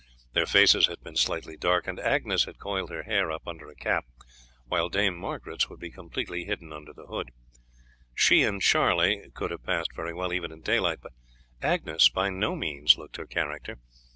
Their faces had been slightly darkened; Agnes had coiled her hair up under a cap, while Dame Margaret's would be completely hidden under the hood. She and Charlie could, have passed very well even in daylight, but Agnes by no means looked her character.